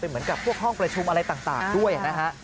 เหมือนกับพวกห้องประชุมอะไรต่างด้วยนะฮะ